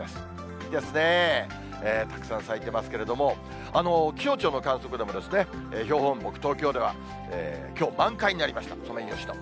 いいですね、たくさん咲いてますけれども、気象庁の観測でも、標本木、東京では、きょう満開になりました、ソメイヨシノ。